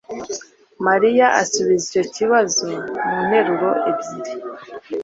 María asubiza icyo kibazo mu nteruro ebyiri